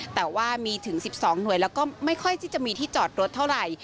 แต่ว่ามีถึงสิบสองหน่วยแล้วก็ไม่ค่อยจะมีที่จอดรถเท่าไร